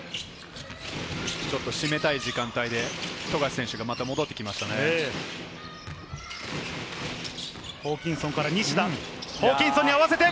ちょっと締めたい時間帯で、富樫選手がまた戻ってきまホーキンソンから西田、ホーキンソンに合わせて。